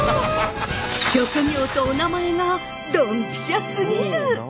職業とおなまえがドンピシャすぎる！